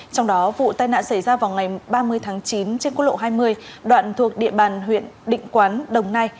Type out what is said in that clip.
trong đó vụ tai nạn xảy ra vào ngày ba mươi tháng chín trên quốc lộ hai mươi đoạn thuộc địa bàn huyện định quán đồng nai